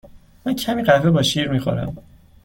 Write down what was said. من کمی قهوه با شیر می خورم.